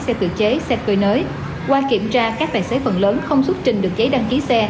xe tự chế xe cơ nới qua kiểm tra các vài xe phần lớn không xuất trình được giấy đăng ký xe